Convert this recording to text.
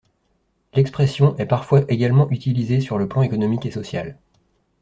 L'expression est parfois également utilisée sur le plan économique et social.